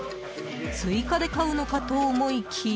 追加で買うのかと思いきや